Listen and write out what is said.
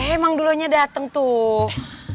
eh bang dulonya dateng tuh